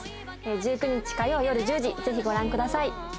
１９日火曜夜１０時ぜひご覧ください